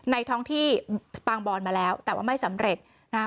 ท้องที่ปางบอนมาแล้วแต่ว่าไม่สำเร็จนะฮะ